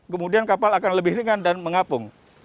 kemudian kapal akan lebih ringan dan mengapung